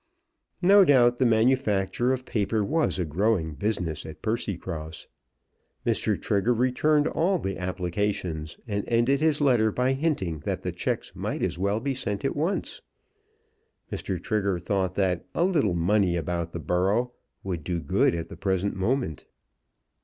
No doubt the manufacture of paper was a growing business at Percycross. Mr. Trigger returned all the applications, and ended his letter by hinting that the cheques might as well be sent at once. Mr. Trigger thought that "a little money about the borough," would do good at the present moment.